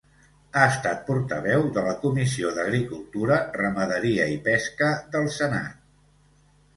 Ha estat portaveu de la Comissió d'Agricultura, Ramaderia i Pesca del Senat.